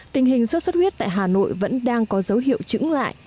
tình hình sốt xuất huyết tại hà nội vẫn đang có dấu hiệu chứng lại